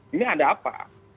ini ada apa